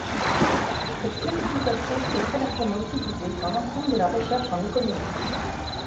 Cette classification est très largement utilisée dans l'ensemble de la recherche en économie.